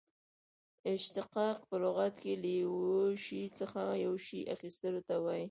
اشتقاق په لغت کښي له یوه شي څخه یو شي اخستلو ته وايي.